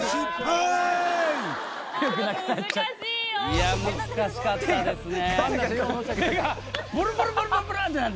いや難しかったですね